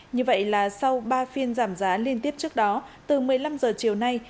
như vậy là sau ba phiên giảm giá liên tiếp trước đó từ một mươi năm h chiều nay